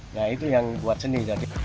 nah itu yang buat seni